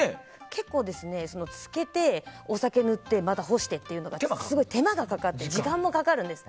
結構、漬けてお酒塗ってまた干してと、手間がかかって時間もかかるんです。